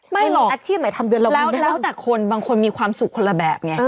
ไม่หรอกแล้วแต่บางคนมีความสุขคนละแบบไง